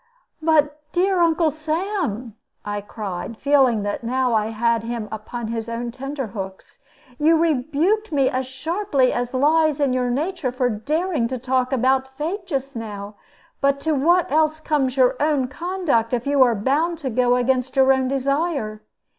"But, dear Uncle Sam," I cried, feeling that now I had him upon his own tenterhooks, "you rebuked me as sharply as lies in your nature for daring to talk about fate just now; but to what else comes your own conduct, if you are bound to go against your own desire?